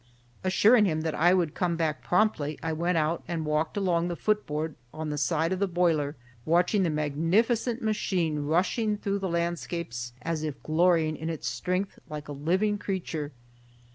Assuring him that I would come back promptly, I went out and walked along the foot board on the side of the boiler, watching the magnificent machine rushing through the landscapes as if glorying in its strength like a living creature.